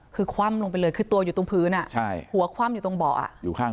คือคว่ำลงไปเลยคือตัวอยู่ตรงพื้นหัวคว่ำอยู่ตรงเบาะอยู่ข้าง